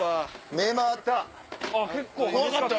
目回った！